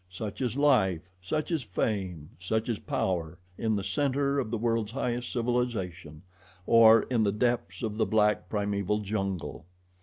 Such is life, such is fame, such is power in the center of the world's highest civilization, or in the depths of the black, primeval jungle.